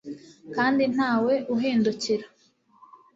kandi nta we uhindukira